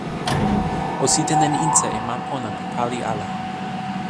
o sitelen insa e ma pona pi pali ala.